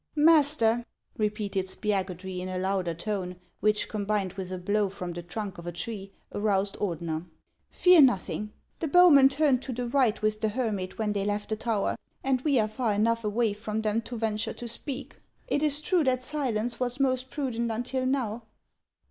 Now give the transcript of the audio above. Master," repeated Spiagudry, in a louder tone, which, combined with a blow from the trunk of a tree, aroused Ordener, " fear nothing. The bowmen turned to the right with the hermit when they left the tower, and we are far enough away from them to venture to speak. It is true that silence was most prudent until now."